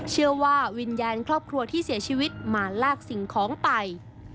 เชื่อว่าวิญญาณครอบครัวที่เสียชีวิตมาลากสิ่งของไป